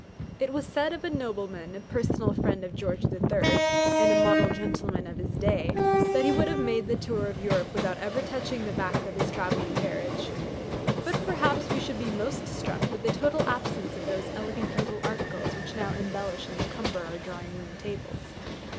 It was said of a nobleman, a personal friend of George III. and a model gentleman of his day, that he would have made the tour of Europe without ever touching the back of his travelling carriage. But perhaps we should be most struck with the total absence of those elegant little articles which now embellish and encumber our drawing room tables.